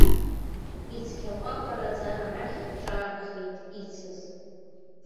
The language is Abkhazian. Ицқьакәакәараӡа арахь рҿаархеит ицыз.